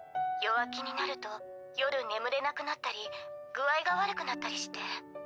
弱気になると夜眠れなくなったり具合が悪くなったりして。